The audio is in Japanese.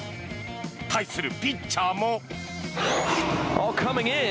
対するピッチャーも。